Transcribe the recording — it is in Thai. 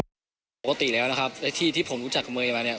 ปกติแล้วนะครับไอ้ที่ที่ผมรู้จักกับเมย์มาเนี่ย